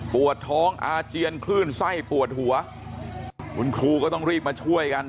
ปวดท้องอาเจียนคลื่นไส้ปวดหัวคุณครูก็ต้องรีบมาช่วยกัน